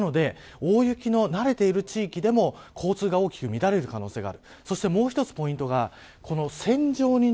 なので大雪に慣れている地域でも交通が大きく乱れる可能性がある。